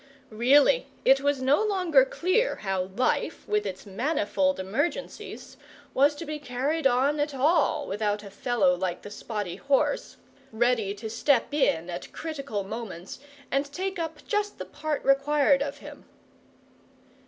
Really it was no longer clear how life, with its manifold emergencies, was to be carried on at all without a fellow like the spotty horse, ready to step in at critical moments and take up just the part required of him.